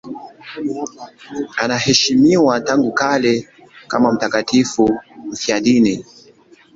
Anaheshimiwa tangu kale kama mtakatifu mfiadini.